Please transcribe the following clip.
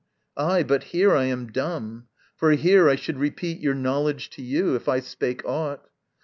Ay but here I am dumb! For here, I should repeat your knowledge to you, If I spake aught.